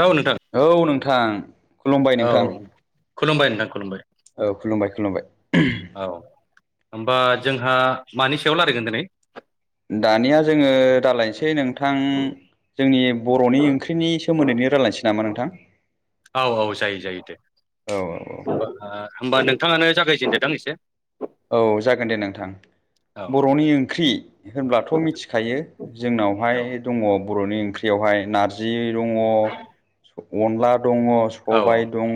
औ नोंथां औ नोंथां खुलुमबाय औ नोंथां। खुलुमबाय नोंथां खलुमबाय। औ खुलुमबाय खुलुमबाय [inaudible] औ होमबा जोंहा मानि सायाव रायलायगोन दिनै? दानिया जोङो रालायनोसै नोंथां जोंनि बर'नि ओंख्रिनि सो सोमोन्दैनो रायलायनोसै नामा नोंथां? औ औ जायो जायो दे औ होमबा नोंथाङानो जागायजेनदोदां एसे। औ जागोन दे नोंथां औ बर'नि ओंख्रि। होनब्लाथ' मिथिखायो जोंनावहाय औ दङ बर'नि ओंख्रियावहाय नारजि जि दङ अनला दङ औ सबाय दङ।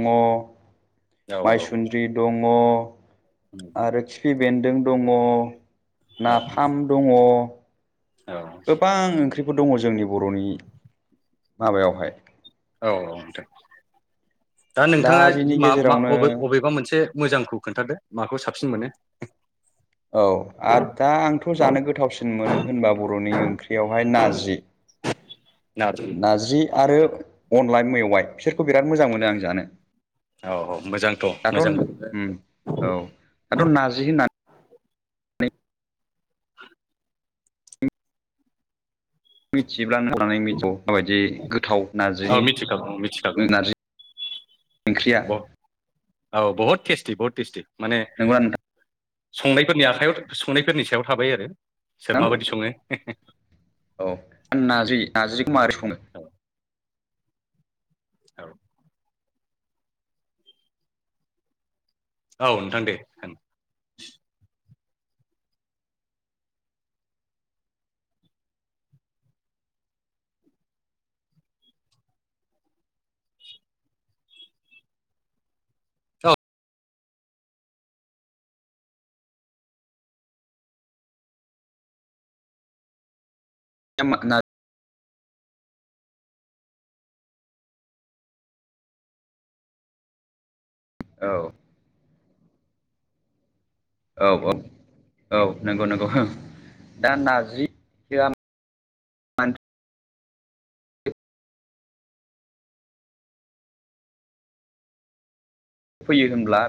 औ माइसुन्द्रि दङ [unintelligible] आरो खिफि बेन्दों दङ औ नाफाम दङ। औ गोबां ओंख्रिफोर दङ जोंनि बर'नि माबायावहाय। औ औ नोंथां दा नोंथाङा बिनि मा मा गेजेरावनो अबे‌ अबे अबेबा मोनसे मोजांखौ खोन्थादो माखौ साबसिन मोनो। औ आद दा आंथ' जानो गोथावसिन मोनो होनबा बर'नि ओंख्रियावहाय नार्जि। नारजि [inaudible] नार्जि आरो अनलाइ मेवाइ बिसोरखौ बिराद मोजां मोनो आं जानो। औ औ मोजांथ' मोजां दाथ‌' नार्जि होनना [inaudible] मिथियोब्ला नों [unintelligible] मिथिगौ माबायदि गोथाव औ नार्जि मिथिखागौ [unintelligible] बहत औ बहुत टेस्टि बहुत टेस्टि माने नंगौना संनायफोरनि आखायाव संनायफोरनि सायाव थाबाय आरो सोर नोंथां माबायदि सङो। औ नाज्रि नाज्रिखौ मारै सङो? औ औ नोंथां दे थां [unintelligible] औ औ औ औ नोंगौ नोंगौ हो दा नार्जि फोयो होमब्ला